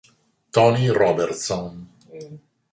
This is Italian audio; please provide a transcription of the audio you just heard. Tony Robertson